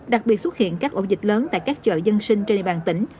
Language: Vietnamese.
đặc biệt xuất hiện các ổ dịch lớn tại các chợ dân sinh trên địa bàn tỉnh